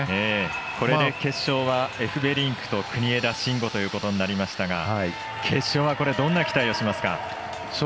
これで決勝はエフベリンクと国枝慎吾ということになりましたが決勝はどんな期待をしますか？